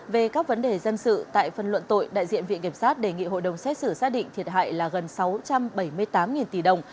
về các vấn đề dân sự tại phần luận tội đại diện viện kiểm sát đề nghị hội đồng xét xử xác định thiệt hại là gần sáu trăm bảy mươi tám tỷ đồng